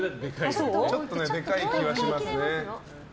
ちょっとでかい気はしますね。